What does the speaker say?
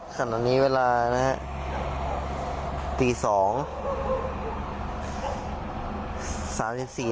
ขณะนี้เวลานะฮะตี๒